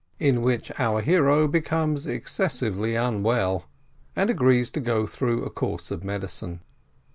IN WHICH OUR HERO BECOMES EXCESSIVELY UNWELL, AND AGREES TO GO THROUGH A COURSE OF MEDICINE.